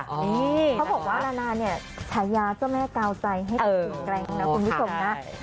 เขาบอกว่านาเนี่ยฉายาเจ้าแม่กาวใจให้แกร่งนะคุณวิสมนะ